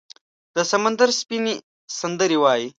د سمندر سپینې، سندرې وایې